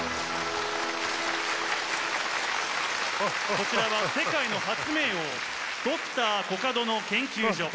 こちらは世界の発明王Ｄｒ．コカドの研究所。